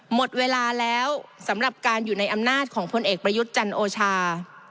หมดเวลาแล้วสำหรับการอยู่ในอำนาจของพลเอกประยุทธ์จันโอชา